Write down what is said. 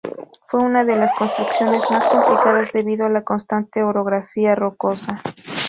Fue una de las construcciones más complicadas debido a la constante orografía rocosa.